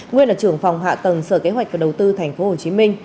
nguyên là trưởng phòng hạ tầng sở kế hoạch và đầu tư tp hcm